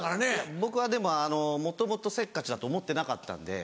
僕はでももともとせっかちだと思ってなかったんで。